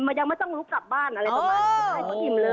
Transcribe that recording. มันยังไม่ต้องลุกกลับบ้านอะไรประมาณนี้